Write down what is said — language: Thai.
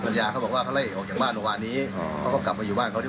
ัญญาเขาบอกว่าเขาไล่ออกจากบ้านเมื่อวานนี้เขาก็กลับมาอยู่บ้านเขาที่